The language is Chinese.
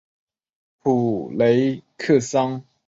普雷克桑。